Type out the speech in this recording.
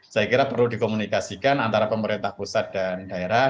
saya kira perlu dikomunikasikan antara pemerintah pusat dan daerah